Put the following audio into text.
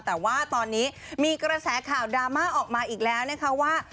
แต่ว่าตอนนี้มีกระแสข่าวดราม่าออกมาอีกแล้วนะคะว่า